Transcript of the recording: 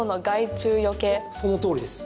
そのとおりです。